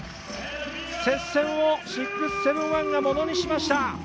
接戦を６７１がものにしました！